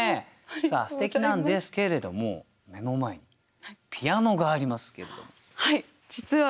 すてきなんですけれども目の前にピアノがありますけれども。